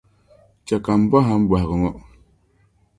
chɛ ka m bɔhi a m bɔhigu ŋɔ.